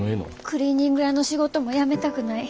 クリーニング屋の仕事も辞めたくない。